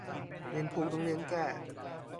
เรียนผูกต้องเรียนแก้